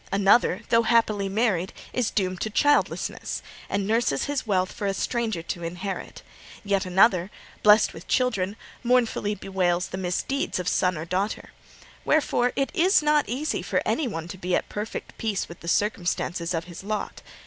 Another, though happily married, is doomed to childlessness, and nurses his wealth for a stranger to inherit. Yet another, blest with children, mournfully bewails the misdeeds of son or daughter. Wherefore, it is not easy for anyone to be at perfect peace with the circumstances of his lot.